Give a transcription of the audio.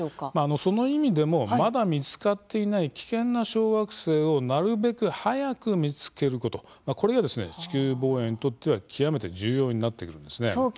その意味でもまだ見つかっていない危険な小惑星をなるべく早く見つけることが地球防衛にとっては極めて重要になってきます。